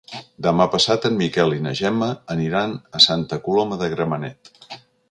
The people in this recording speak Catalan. Demà passat en Miquel i na Gemma aniran a Santa Coloma de Gramenet.